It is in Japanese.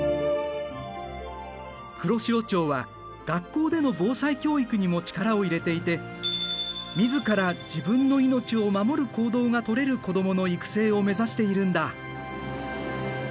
黒潮町は学校での防災教育にも力を入れていて自ら自分の命を守る行動がとれる子どもの育成を目指しているんだ。